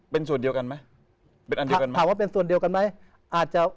เป็นส่วนเดียวกันไหมเป็นอันเดียวกันไหม